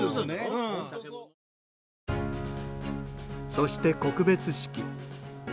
そして告別式。